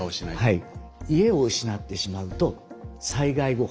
はい。